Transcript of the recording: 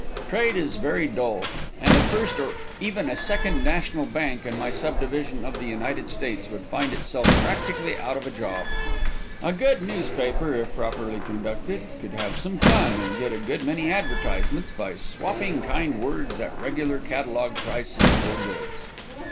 Trade is very dull, and a first or even a second national bank in my subdivision of the United States would find itself practically out of a job. A good newspaper, if properly conducted, could have some fun and get a good many advertisements by swopping kind words at regular catalogue prices for goods.